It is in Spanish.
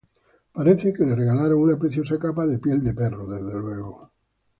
Parece que le regalaron una preciosa capa de piel de perro.